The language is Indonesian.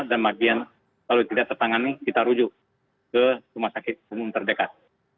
dan bagian kalau tidak tertangani kita rujuk ke rumah sakit umum terdekat